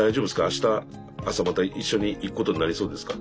あした朝また一緒に行くことになりそうですか？